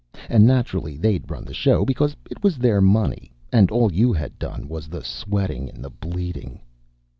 And, naturally, they'd run the show because it was their money and all you had done was the sweating and the bleeding.